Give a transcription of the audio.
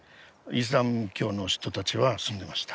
イスラム教の人たちが住んでました。